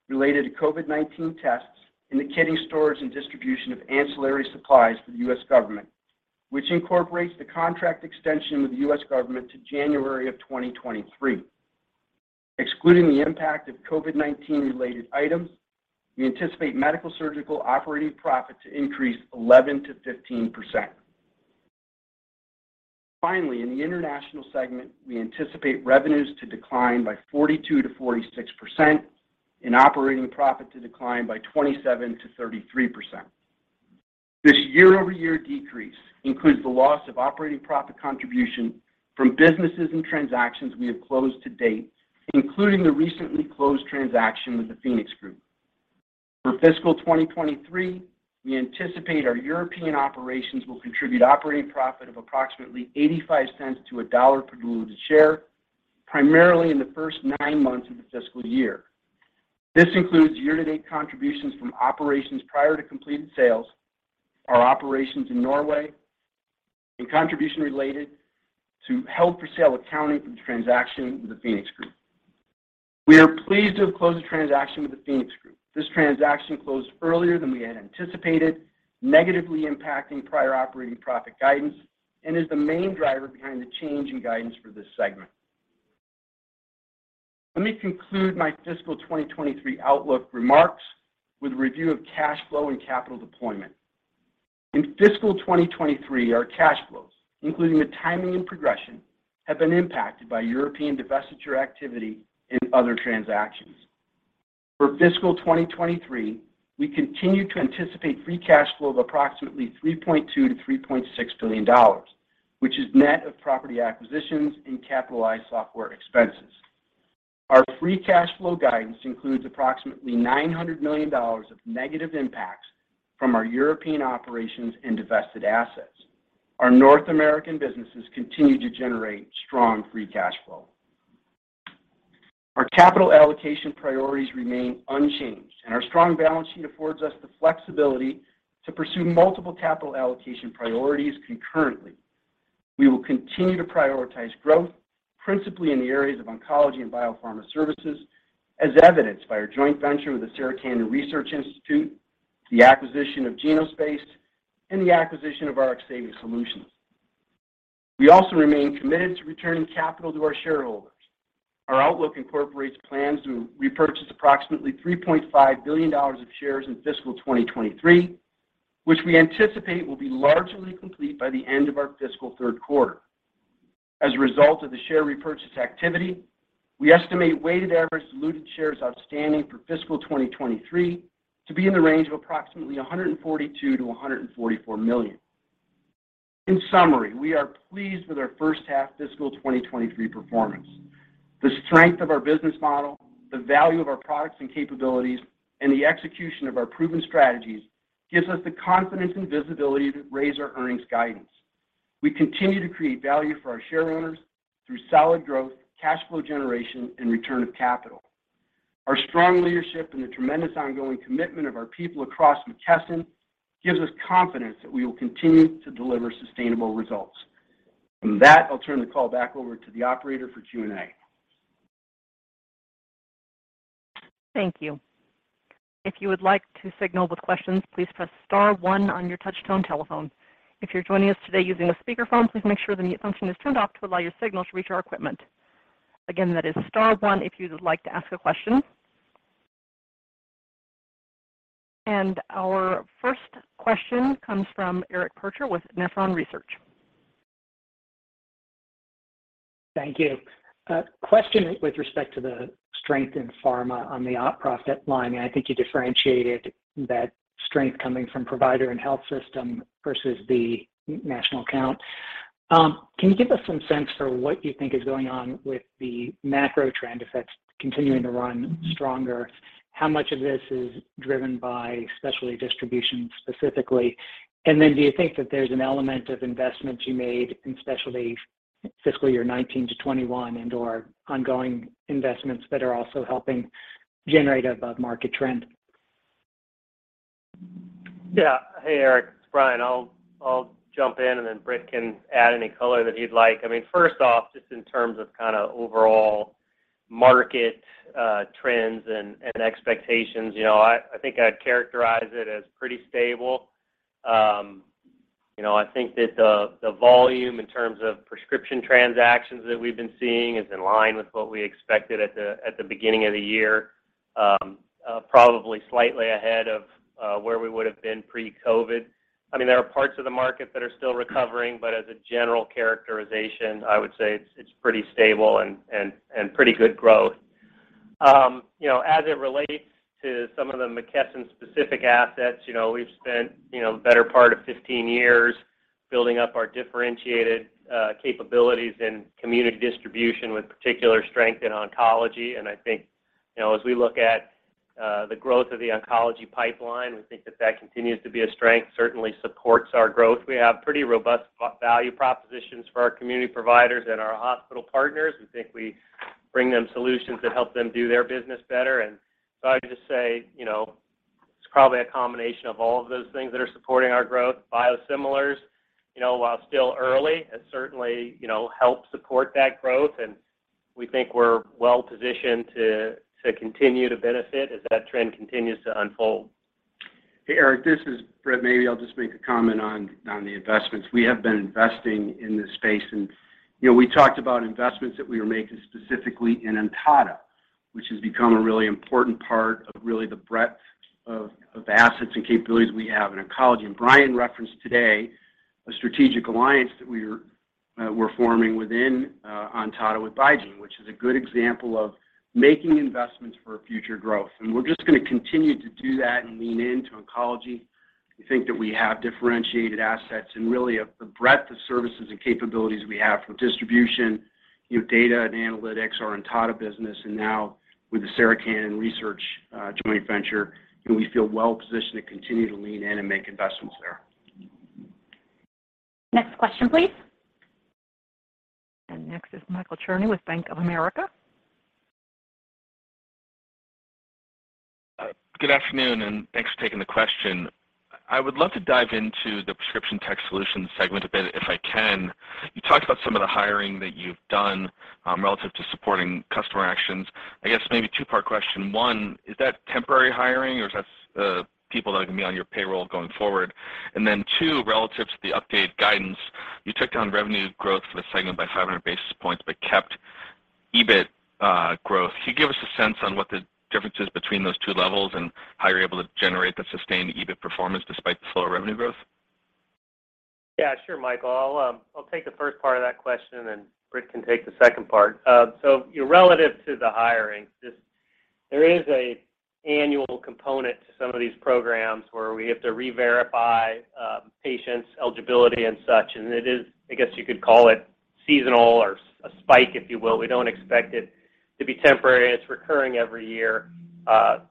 related to COVID-19 tests and the kitting, storage, and distribution of ancillary supplies for the U.S. government, which incorporates the contract extension with the U.S. government to January 2023. Excluding the impact of COVID-19 related items, we anticipate Medical-Surgical Solutions operating profit to increase 11%-15%. Finally, in the international segment, we anticipate revenues to decline by 42%-46% and operating profit to decline by 27%-33%. This year-over-year decrease includes the loss of operating profit contribution from businesses and transactions we have closed to date, including the recently closed transaction with the PHOENIX group. For fiscal 2023, we anticipate our European operations will contribute operating profit of approximately $0.85-$1 per diluted share, primarily in the first nine months of the fiscal year. This includes year-to-date contributions from operations prior to completed sales, our operations in Norway, and contribution related to held-for-sale accounting from the transaction with the PHOENIX group. We are pleased to have closed the transaction with the PHOENIX group. This transaction closed earlier than we had anticipated, negatively impacting prior operating profit guidance and is the main driver behind the change in guidance for this segment. Let me conclude my fiscal 2023 outlook remarks with a review of cash flow and capital deployment. In fiscal 2023, our cash flows, including the timing and progression, have been impacted by European divestiture activity and other transactions. For fiscal 2023, we continue to anticipate free cash flow of approximately $3.2 billion-$3.6 billion, which is net of property acquisitions and capitalized software expenses. Our free cash flow guidance includes approximately $900 million of negative impacts from our European operations and divested assets. Our North American businesses continue to generate strong free cash flow. Our capital allocation priorities remain unchanged, and our strong balance sheet affords us the flexibility to pursue multiple capital allocation priorities concurrently. We will continue to prioritize growth, principally in the areas of oncology and biopharma services, as evidenced by our joint venture with the Sarah Cannon Research Institute, the acquisition of Genospace, and the acquisition of Rx Savings Solutions. We also remain committed to returning capital to our shareholders. Our outlook incorporates plans to repurchase approximately $3.5 billion of shares in fiscal 2023, which we anticipate will be largely complete by the end of our fiscal third quarter. As a result of the share repurchase activity, we estimate weighted average diluted shares outstanding for fiscal 2023 to be in the range of approximately 142 million-144 million. In summary, we are pleased with our first half fiscal 2023 performance. The strength of our business model, the value of our products and capabilities, and the execution of our proven strategies gives us the confidence and visibility to raise our earnings guidance. We continue to create value for our shareowners through solid growth, cash flow generation and return of capital. Our strong leadership and the tremendous ongoing commitment of our people across McKesson gives us confidence that we will continue to deliver sustainable results. From that, I'll turn the call back over to the operator for Q&A. Thank you. If you would like to signal with questions, please press star one on your touchtone telephone. If you're joining us today using a speakerphone, please make sure the mute function is turned off to allow your signal to reach our equipment. Again, that is star one, if you would like to ask a question. Our first question comes from Eric Percher with Nephron Research. Thank you. A question with respect to the strength in pharma on the operating profit line, and I think you differentiated that strength coming from provider and health system versus the national account. Can you give us some sense for what you think is going on with the macro trend effects continuing to run stronger? How much of this is driven by specialty distribution specifically? And then do you think that there's an element of investments you made in specialty fiscal year 2019 to 2021 and/or ongoing investments that are also helping generate above market trend? Yeah. Hey, Eric, it's Brian. I'll jump in, and then Britt can add any color that he'd like. I mean, first off, just in terms of kinda overall market trends and expectations, you know, I think I'd characterize it as pretty stable. You know, I think that the volume in terms of prescription transactions that we've been seeing is in line with what we expected at the beginning of the year, probably slightly ahead of where we would have been pre-COVID. I mean, there are parts of the market that are still recovering, but as a general characterization, I would say it's pretty stable and pretty good growth. You know, as it relates to some of the McKesson specific assets, you know, we've spent, you know, the better part of 15 years building up our differentiated capabilities in community distribution with particular strength in oncology. I think, you know, as we look at the growth of the oncology pipeline, we think that that continues to be a strength, certainly supports our growth. We have pretty robust value propositions for our community providers and our hospital partners. We think we bring them solutions that help them do their business better. I'd just say, you know, it's probably a combination of all of those things that are supporting our growth. Biosimilars, you know, while still early, has certainly, you know, helped support that growth. We think we're well-positioned to continue to benefit as that trend continues to unfold. Hey, Eric, this is Britt. Maybe I'll just make a comment on the investments. We have been investing in this space. You know, we talked about investments that we were making specifically in Ontada, which has become a really important part of the breadth of assets and capabilities we have in oncology. Brian referenced today a strategic alliance that we're forming within Ontada with BeiGene, which is a good example of making investments for future growth. We're just gonna continue to do that and lean into oncology. We think that we have differentiated assets and the breadth of services and capabilities we have from distribution, you know, data and analytics, our Ontada business, and now with the Sarah Cannon Research Institute joint venture, you know, we feel well-positioned to continue to lean in and make investments there. Next question, please. Next is Michael Cherny with Bank of America. Good afternoon, and thanks for taking the question. I would love to dive into the prescription tech solutions segment a bit, if I can. You talked about some of the hiring that you've done, relative to supporting customer actions. I guess maybe two-part question. One, is that temporary hiring or is that, people that are gonna be on your payroll going forward? And then two, relative to the updated guidance, you took down revenue growth for the segment by 500 basis points but kept EBIT growth. Can you give us a sense on what the difference is between those two levels and how you're able to generate the sustained EBIT performance despite the slower revenue growth? Yeah, sure, Michael. I'll take the first part of that question, and Britt can take the second part. So, you know, relative to the hiring, there is an annual component to some of these programs where we have to re-verify patients' eligibility and such. It is, I guess you could call it seasonal or spike, if you will. We don't expect it to be temporary, and it's recurring every year.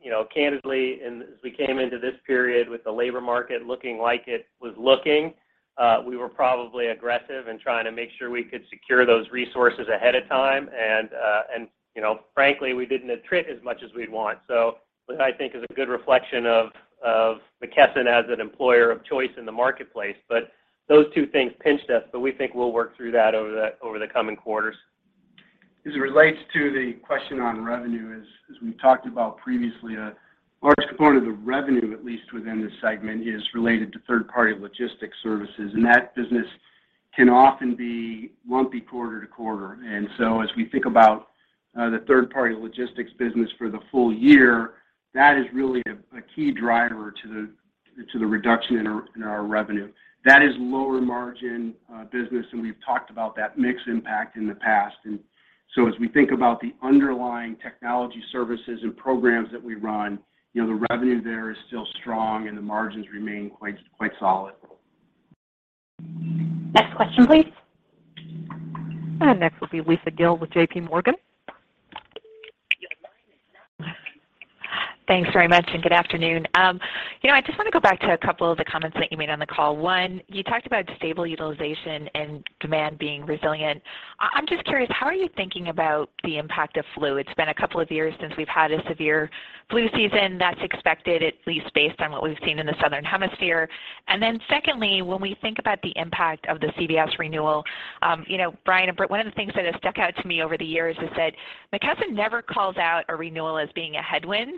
You know, candidly, as we came into this period with the labor market looking like it was looking, we were probably aggressive in trying to make sure we could secure those resources ahead of time. You know, frankly, we didn't attrit as much as we'd want. That, I think, is a good reflection of McKesson as an employer of choice in the marketplace. Those two things pinched us, but we think we'll work through that over the coming quarters. As it relates to the question on revenue, as we talked about previously, a large component of the revenue, at least within this segment, is related to third-party logistics services. That business can often be lumpy quarter to quarter. As we think about the third-party logistics business for the full year, that is really a key driver to the reduction in our revenue. That is lower margin business, and we've talked about that mix impact in the past. As we think about the underlying technology services and programs that we run, you know, the revenue there is still strong and the margins remain quite solid. Next question, please. Next will be Lisa Gill with JPMorgan. Thanks very much and good afternoon. You know, I just wanna go back to a couple of the comments that you made on the call. One, you talked about stable utilization and demand being resilient. I'm just curious, how are you thinking about the impact of flu? It's been a couple of years since we've had a severe flu season. That's expected, at least based on what we've seen in the Southern Hemisphere. Secondly, when we think about the impact of the CVS renewal, you know, Brian and Britt, one of the things that has stuck out to me over the years is that McKesson never calls out a renewal as being a headwind.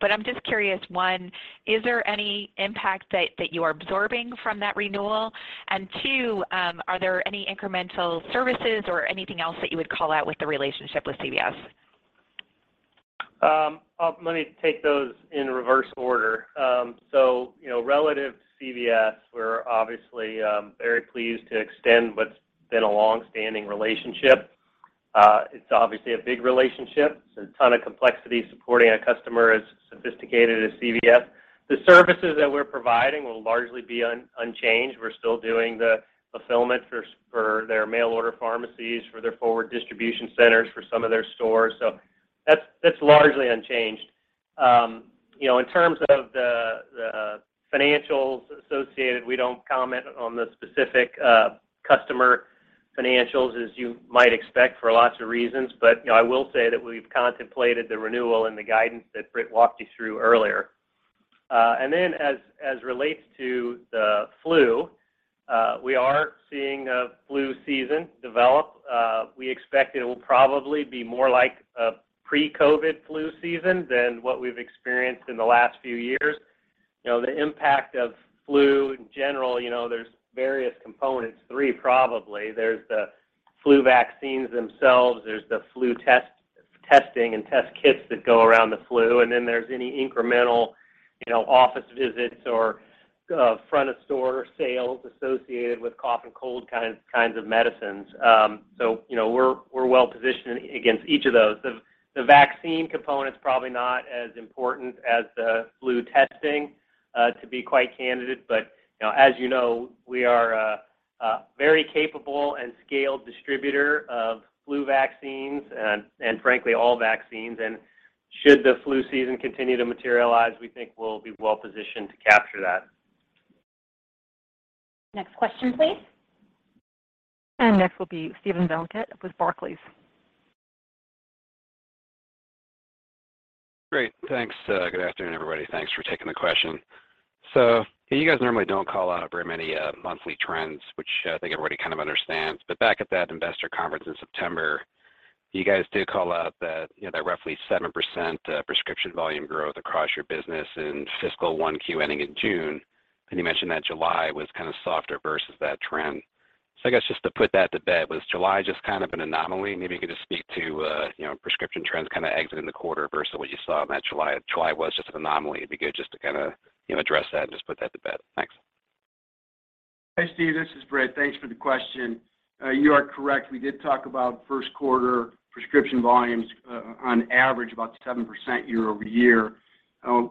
I'm just curious, one, is there any impact that you are absorbing from that renewal? Two, are there any incremental services or anything else that you would call out with the relationship with CVS? Let me take those in reverse order. So, you know, relative to CVS, we're obviously very pleased to extend what's been a long-standing relationship. It's obviously a big relationship. There's a ton of complexity supporting a customer as sophisticated as CVS. The services that we're providing will largely be unchanged. We're still doing the fulfillment for their mail order pharmacies, for their forward distribution centers, for some of their stores. That's largely unchanged. You know, in terms of the financials associated, we don't comment on the specific customer financials, as you might expect for lots of reasons. I will say that we've contemplated the renewal and the guidance that Britt walked you through earlier. As relates to the flu, we are seeing a flu season develop. We expect it will probably be more like a pre-COVID flu season than what we've experienced in the last few years. You know, the impact of flu in general, you know, there's various components, three probably. There's the flu vaccines themselves, there's the flu testing and test kits that go around the flu, and then there's any incremental, you know, office visits or front of store sales associated with cough and cold kinds of medicines. So, you know, we're well positioned against each of those. The vaccine component's probably not as important as the flu testing to be quite candid, but you know, as you know, we are a very capable and scaled distributor of flu vaccines and frankly, all vaccines. Should the flu season continue to materialize, we think we'll be well positioned to capture that. Next question, please. Next will be Steven Valiquette with Barclays. Great. Thanks. Good afternoon, everybody. Thanks for taking the question. You guys normally don't call out very many monthly trends, which I think everybody kind of understands. Back at that investor conference in September, you guys did call out that, you know, that roughly 7% prescription volume growth across your business in fiscal 1Q ending in June. You mentioned that July was kind of softer versus that trend. I guess just to put that to bed, was July just kind of an anomaly? Maybe you could just speak to, you know, prescription trends kind of exiting the quarter versus what you saw in that July. July was just an anomaly. It'd be good just to kinda, you know, address that and just put that to bed. Thanks. Hey, Steven, this is Britt. Thanks for the question. You are correct. We did talk about first quarter prescription volumes, on average, about 7% year-over-year.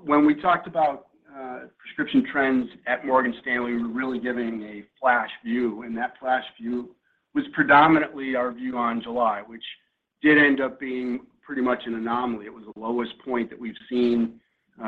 When we talked about prescription trends at Morgan Stanley, we're really giving a flash view, and that flash view was predominantly our view on July, which did end up being pretty much an anomaly. It was the lowest point that we've seen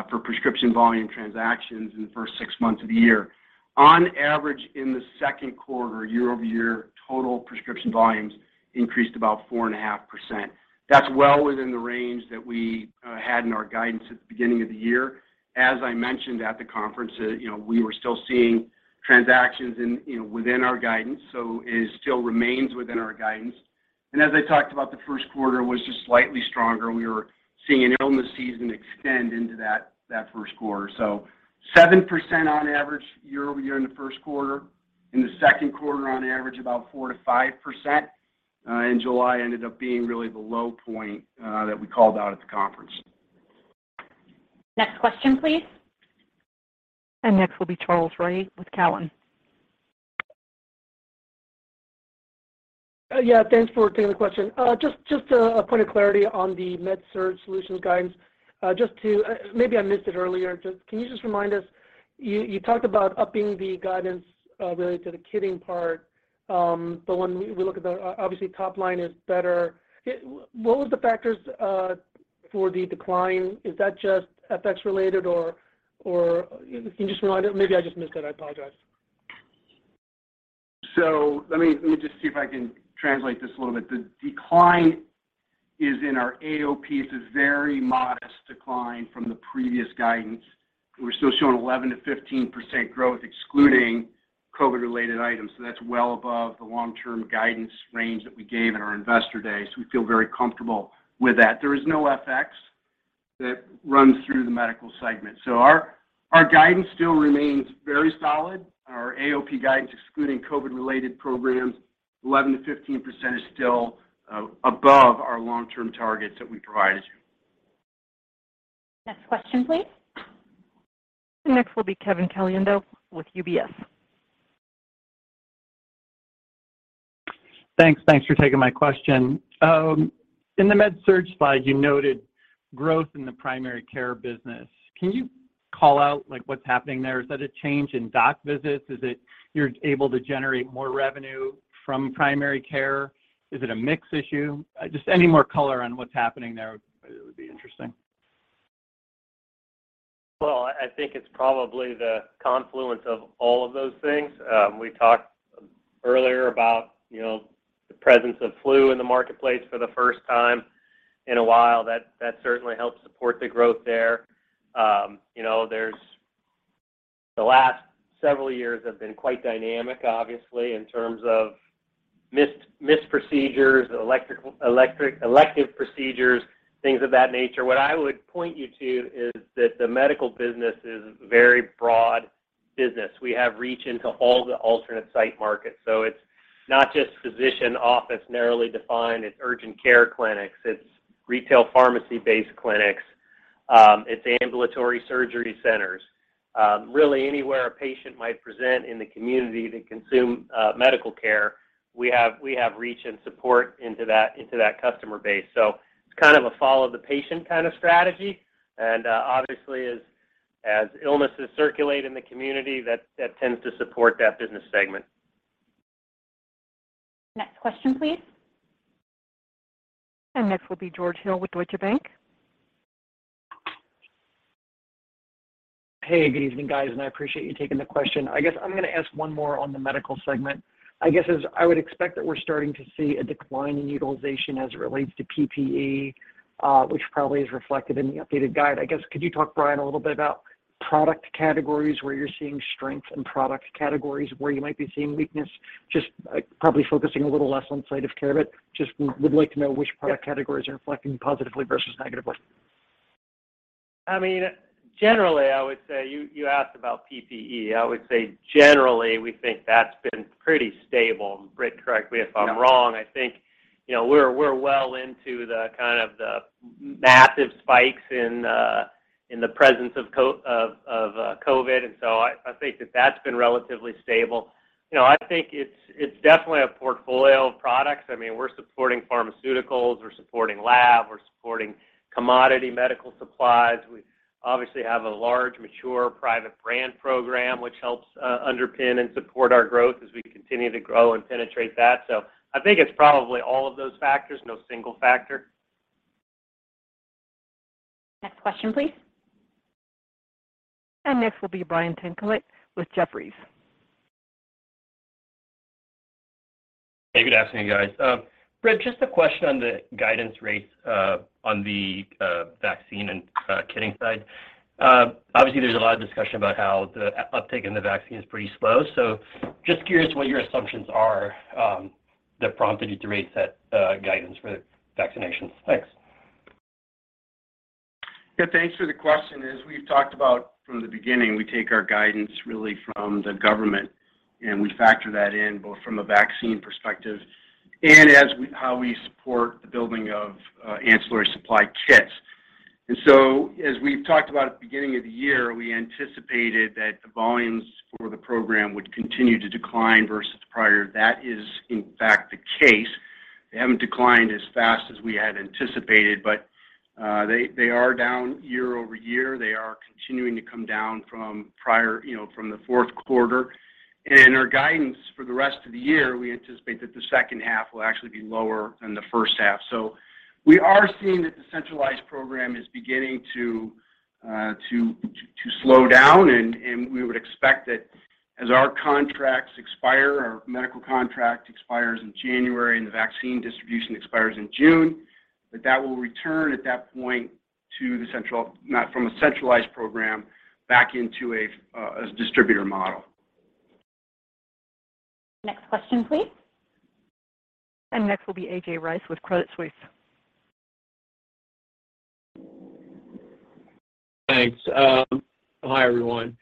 for prescription volume transactions in the first six months of the year. On average, in the second quarter, year-over-year, total prescription volumes increased about 4.5%. That's well within the range that we had in our guidance at the beginning of the year. As I mentioned at the conference, you know, we were still seeing transactions in, you know, within our guidance, so it still remains within our guidance. As I talked about, the first quarter was just slightly stronger. We were seeing an illness season extend into that first quarter. 7% on average year-over-year in the first quarter. In the second quarter on average, about 4%-5%. July ended up being really the low point that we called out at the conference. Next question, please. Next will be Charles Rhyee with TD Cowen. Yeah. Thanks for taking the question. Just a point of clarity on the Medical-Surgical Solutions guidance. Maybe I missed it earlier. Can you just remind us you talked about upping the guidance related to the kitting part. But when we look at, obviously, top line is better. What were the factors. For the decline, is that just FX related or maybe I just missed it. I apologize. Let me just see if I can translate this a little bit. The decline is in our AOP. It's a very modest decline from the previous guidance. We're still showing 11%-15% growth excluding COVID-related items, that's well above the long-term guidance range that we gave at our investor day. We feel very comfortable with that. There is no FX that runs through the medical segment. Our guidance still remains very solid. Our AOP guidance excluding COVID-related programs, 11%-15% is still above our long-term targets that we provided you. Next question, please. The next will be Kevin Caliendo with UBS. Thanks. Thanks for taking my question. In the med-surg slide, you noted growth in the primary care business. Can you call out, like, what's happening there? Is that a change in doc visits? Is it you're able to generate more revenue from primary care? Is it a mix issue? Just any more color on what's happening there would be interesting. Well, I think it's probably the confluence of all of those things. We talked earlier about, you know, the presence of flu in the marketplace for the first time in a while. That certainly helps support the growth there. You know, the last several years have been quite dynamic, obviously, in terms of missed procedures, elective procedures, things of that nature. What I would point you to is that the medical business is a very broad business. We have reach into all the alternate site markets. So it's not just physician office narrowly defined. It's urgent care clinics. It's retail pharmacy-based clinics. It's ambulatory surgery centers. Really anywhere a patient might present in the community to consume medical care, we have reach and support into that customer base. It's kind of a follow the patient kind of strategy. Obviously as illnesses circulate in the community, that tends to support that business segment. Next question, please. Next will be George Hill with Deutsche Bank. Hey, good evening, guys, and I appreciate you taking the question. I guess I'm gonna ask one more on the medical segment. I guess as I would expect that we're starting to see a decline in utilization as it relates to PPE, which probably is reflected in the updated guide. I guess could you talk, Brian, a little bit about product categories where you're seeing strength and product categories where you might be seeing weakness? Just probably focusing a little less on site of care, but just would like to know which product categories are reflecting positively versus negatively. I mean, generally, I would say you asked about PPE. I would say generally, we think that's been pretty stable. Britt, correct me if I'm wrong. Yeah. I think, you know, we're well into the kind of massive spikes in the presence of COVID. I think that that's been relatively stable. You know, I think it's definitely a portfolio of products. I mean, we're supporting pharmaceuticals, we're supporting lab, we're supporting commodity medical supplies. We obviously have a large, mature private brand program, which helps underpin and support our growth as we continue to grow and penetrate that. I think it's probably all of those factors, no single factor. Next question, please. Next will be Brian Tanquilut with Jefferies. Hey, good afternoon, guys. Britt, just a question on the guidance raise, on the vaccine and kitting side. Obviously, there's a lot of discussion about how the uptake in the vaccine is pretty slow. Just curious what your assumptions are that prompted you to raise that guidance for the vaccinations. Thanks. Yeah, thanks for the question. As we've talked about from the beginning, we take our guidance really from the government, and we factor that in both from a vaccine perspective and how we support the building of ancillary supply kits. As we've talked about at the beginning of the year, we anticipated that the volumes for the program would continue to decline versus prior. That is, in fact, the case. They haven't declined as fast as we had anticipated, but they are down year over year. They are continuing to come down from prior, you know, from the fourth quarter. Our guidance for the rest of the year, we anticipate that the second half will actually be lower than the first half. We are seeing that the centralized program is beginning to slow down. We would expect that as our contracts expire, our medical contract expires in January, and the vaccine distribution expires in June, that will return at that point not from a centralized program back into a distributor model. Next question, please. Next will be A.J. Rice with Credit Suisse. Thanks. Hi, everyone.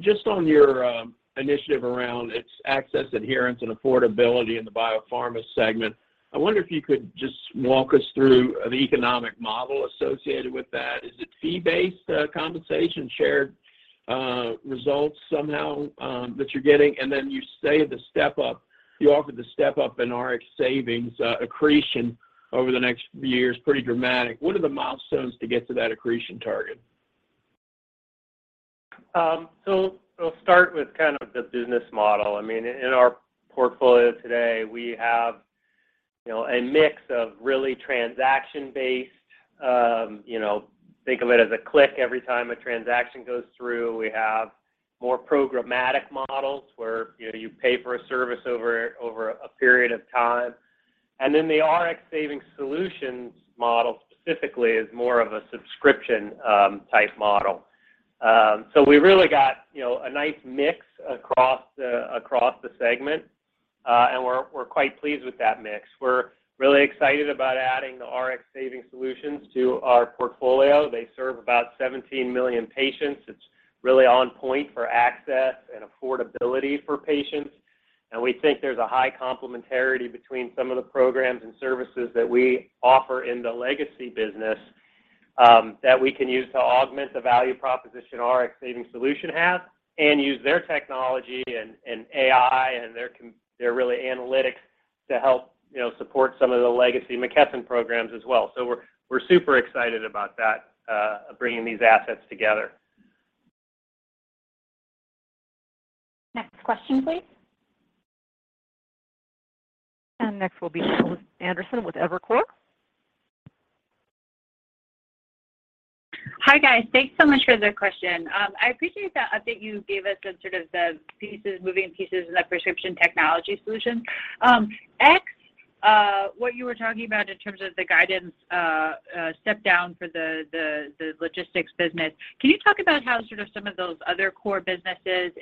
Just on your initiative around its access, adherence, and affordability in the biopharma segment, I wonder if you could just walk us through the economic model associated with that. Is it fee-based compensation, shared results somehow that you're getting? You say the step-up, you offered the step-up in Rx Savings accretion over the next few years, pretty dramatic. What are the milestones to get to that accretion target? We'll start with kind of the business model. I mean, in our portfolio today, we have, you know, a mix of really transaction-based, you know, think of it as a click every time a transaction goes through. We have more programmatic models where, you know, you pay for a service over a period of time. Then the Rx Savings Solutions model specifically is more of a subscription type model. We really got, you know, a nice mix across the segment, and we're quite pleased with that mix. We're really excited about adding the Rx Savings Solutions to our portfolio. They serve about 17 million patients. It's really on point for access and affordability for patients. We think there's a high complementarity between some of the programs and services that we offer in the legacy business that we can use to augment the value proposition Rx Savings Solutions has and use their technology and AI and their really analytics to help, you know, support some of the legacy McKesson programs as well. We're super excited about that, bringing these assets together. Next question, please. Next will be Anderson with Evercore. Hi, guys. Thanks so much for the question. I appreciate the update you gave us on sort of the pieces, moving pieces of that Prescription Technology Solutions. What you were talking about in terms of the guidance step down for the logistics business, can you talk about how sort of some of those other core businesses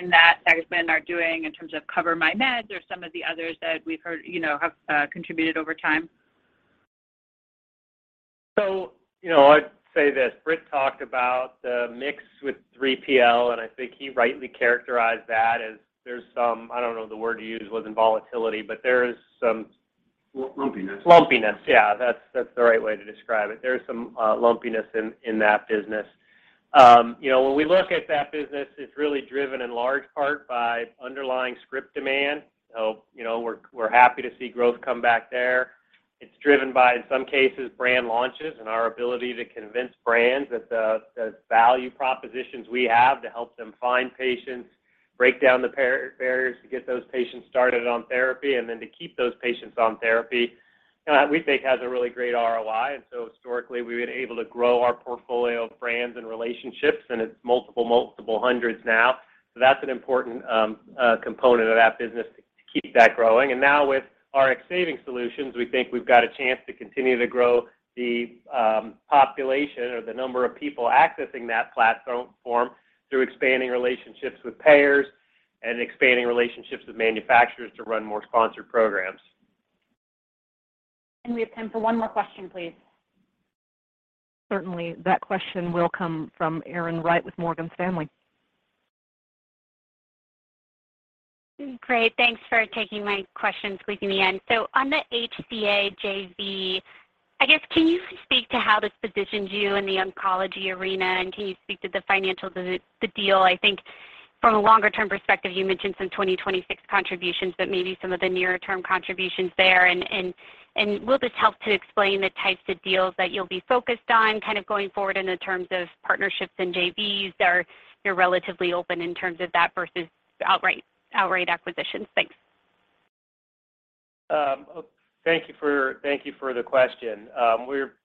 in that segment are doing in terms of CoverMyMeds or some of the others that we've heard, you know, have contributed over time? You know, I'd say this, Britt talked about the mix with 3PL, and I think he rightly characterized that as there's some, I don't know, the word you used was in volatility, but there is some. Lumpiness. Lumpiness, yeah. That's the right way to describe it. There is some lumpiness in that business. You know, when we look at that business, it's really driven in large part by underlying script demand. You know, we're happy to see growth come back there. It's driven by, in some cases, brand launches and our ability to convince brands that the value propositions we have to help them find patients, break down the barriers to get those patients started on therapy, and then to keep those patients on therapy, we think has a really great ROI. Historically, we've been able to grow our portfolio of brands and relationships, and it's multiple hundreds now. That's an important component of that business to keep that growing. Now with Rx Savings Solutions, we think we've got a chance to continue to grow the population or the number of people accessing that platform through expanding relationships with payers and expanding relationships with manufacturers to run more sponsored programs. We have time for one more question, please. Certainly. That question will come from Erin Wright with Morgan Stanley. Great. Thanks for taking my question, squeezing me in. On the HCA JV, I guess, can you speak to how this positions you in the oncology arena? Can you speak to the financials of the deal? I think from a longer term perspective, you mentioned some 2026 contributions, but maybe some of the nearer term contributions there. Will this help to explain the types of deals that you'll be focused on kind of going forward in the terms of partnerships and JVs, or you're relatively open in terms of that versus outright acquisitions? Thanks. Thank you for the question.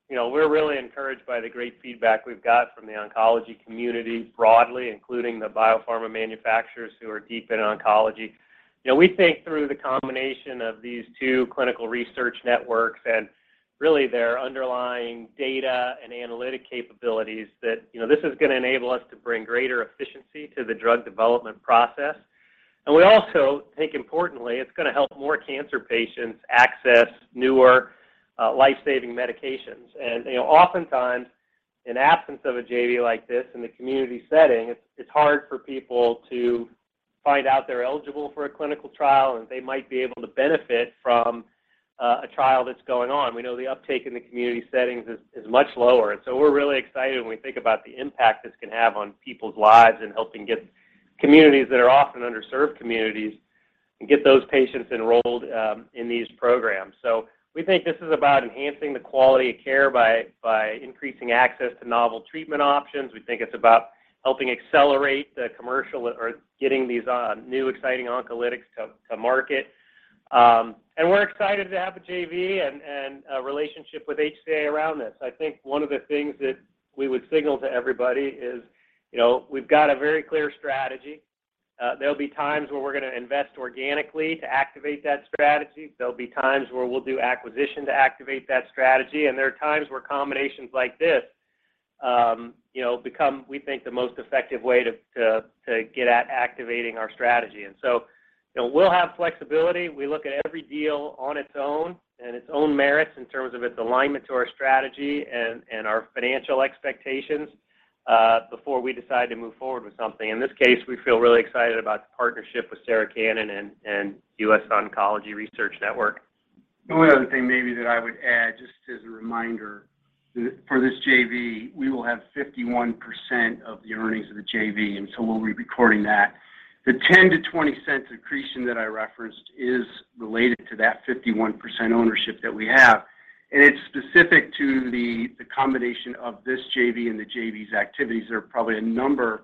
You know, we're really encouraged by the great feedback we've got from the oncology community broadly, including the biopharma manufacturers who are deep in oncology. You know, we think through the combination of these two clinical research networks and really their underlying data and analytic capabilities that, you know, this is gonna enable us to bring greater efficiency to the drug development process. We also think importantly, it's gonna help more cancer patients access newer, life-saving medications. You know, oftentimes in absence of a JV like this in the community setting, it's hard for people to find out they're eligible for a clinical trial, and they might be able to benefit from a trial that's going on. We know the uptake in the community settings is much lower, and so we're really excited when we think about the impact this can have on people's lives and helping get communities that are often underserved communities and get those patients enrolled in these programs. We think this is about enhancing the quality of care by increasing access to novel treatment options. We think it's about helping accelerate the commercialization, or getting these new exciting oncolytics to market. We're excited to have a JV and a relationship with HCA around this. I think one of the things that we would signal to everybody is, you know, we've got a very clear strategy. There'll be times where we're gonna invest organically to activate that strategy. There'll be times where we'll do acquisition to activate that strategy, and there are times where combinations like this, you know, become, we think, the most effective way to get at activating our strategy. We'll have flexibility. We look at every deal on its own and its own merits in terms of its alignment to our strategy and our financial expectations before we decide to move forward with something. In this case, we feel really excited about the partnership with Sarah Cannon and US Oncology Research Network. One other thing maybe that I would add, just as a reminder, for this JV, we will have 51% of the earnings of the JV, and so we'll be recording that. The $0.10-$0.20 accretion that I referenced is related to that 51% ownership that we have, and it's specific to the combination of this JV and the JV's activities. There are probably a number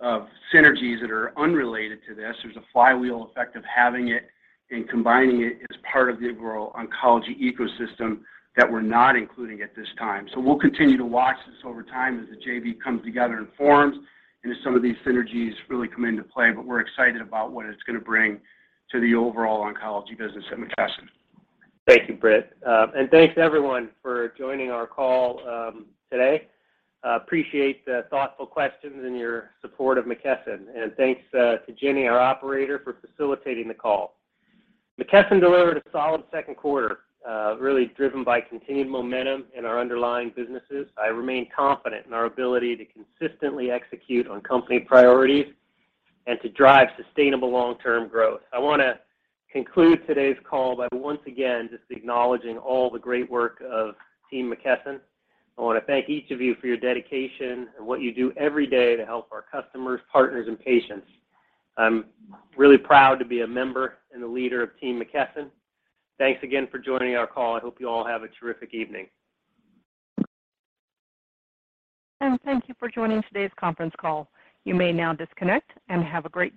of synergies that are unrelated to this. There's a flywheel effect of having it and combining it as part of the overall oncology ecosystem that we're not including at this time. We'll continue to watch this over time as the JV comes together and forms into some of these synergies really come into play, but we're excited about what it's gonna bring to the overall oncology business at McKesson. Thank you, Britt. Thanks everyone for joining our call today. Appreciate the thoughtful questions and your support of McKesson. Thanks to Jenny, our operator, for facilitating the call. McKesson delivered a solid second quarter, really driven by continued momentum in our underlying businesses. I remain confident in our ability to consistently execute on company priorities and to drive sustainable long-term growth. I wanna conclude today's call by once again just acknowledging all the great work of team McKesson. I wanna thank each of you for your dedication and what you do every day to help our customers, partners, and patients. I'm really proud to be a member and a leader of team McKesson. Thanks again for joining our call. I hope you all have a terrific evening. Thank you for joining today's conference call. You may now disconnect and have a great day.